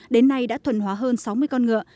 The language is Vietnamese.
đến nay đã thuần hóa hơn sáu mươi con ngựa